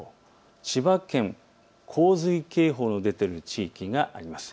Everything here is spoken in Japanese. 千葉県、洪水警報の出ている地域があります。